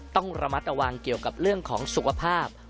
ต้องระมัดระวังเกี่ยวกับเรื่องของสุขภาพ